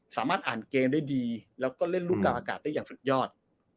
สามารถอ่านเกมได้ดีแล้วก็เล่นลูกกลางอากาศได้อย่างสุดยอด